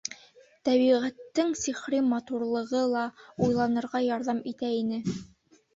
Тәбиғәттең сихри матурлығы ла уйланырға ярҙам итә ине.